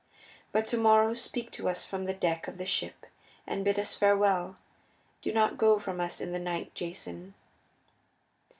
But to morrow speak to us from the deck of the ship and bid us farewell. Do not go from us in the night, Jason."